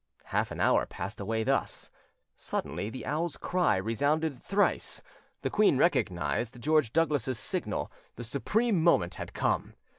Half an hour passed away thus; suddenly the owl's cry resounded thrice, the queen recognised George Douglas's signal: the supreme moment had come.